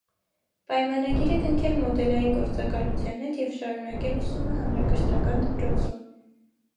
Պայմանագիր է կնքել մոդելային գործակալության հետ և շարունակել ուսումը հանրակրթական դպրոցում։